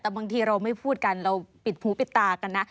แต่บางทีเราไม่พูดกันเราปิดหูปิดตากันนะ